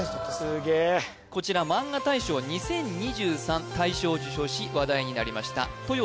すげえこちらマンガ大賞２０２３大賞を受賞し話題になりましたとよ